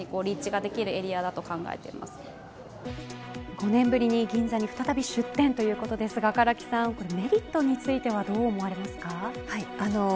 ５年ぶりに銀座に再び出店ということですが、唐木さんメリットについてはどう思われますか。